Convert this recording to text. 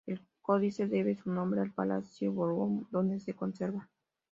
El códice debe su nombre al Palacio Borbón, donde se conserva.